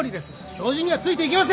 教授にはついていけません！